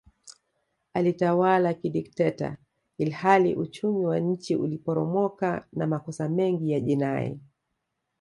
Alitawala kidikteta ilihali uchumi wa nchi uliporomoka na makosa mengi ya jinai